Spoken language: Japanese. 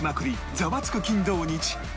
ザワつく金土日！